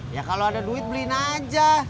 ya kalau ada duit beliin aja